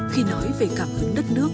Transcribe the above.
khi nói về cảm hứng đất nước